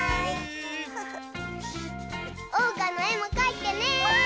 おうかのえもかいてね！